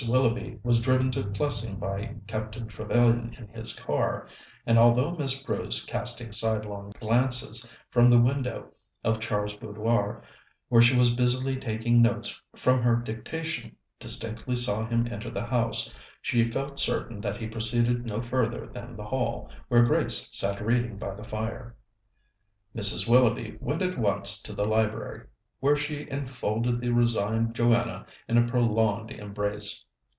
Willoughby was driven to Plessing by Captain Trevellyan in his car; and although Miss Bruce, casting sidelong glances from the window of Char's boudoir, where she was busily taking notes from her dictation, distinctly saw him enter the house, she felt certain that he proceeded no further than the hall, where Grace sat reading by the fire. Mrs. Willoughby went at once to the library, where she enfolded the resigned Joanna in a prolonged embrace.